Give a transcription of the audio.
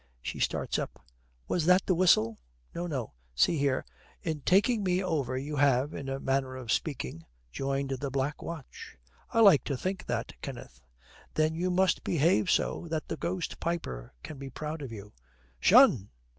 She starts up. 'Was that the whistle?' 'No, no. See here. In taking me over you have, in a manner of speaking, joined the Black Watch.' 'I like to think that, Kenneth.' 'Then you must behave so that the ghost piper can be proud of you. 'Tion!'